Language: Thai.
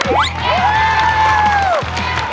เก่งมาก